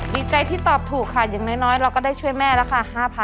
ดีใจที่ตอบถูกค่ะอย่างน้อยเราก็ได้ช่วยแม่แล้วค่ะ